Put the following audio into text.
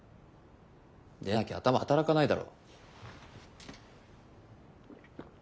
でなきゃ頭働かないだろ。